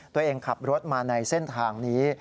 ตัวเองขับรถมาในเส้นทางนี้